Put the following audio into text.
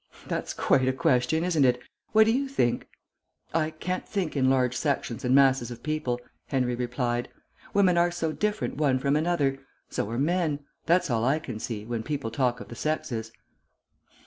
"That's quite a question, isn't it. What do you think?" "I can't think in large sections and masses of people," Henry replied. "Women are so different one from another. So are men. That's all I can see, when people talk of the sexes."